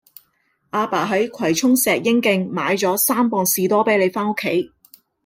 亞爸喺葵涌石英徑買左三磅士多啤梨返屋企